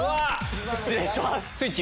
失礼します。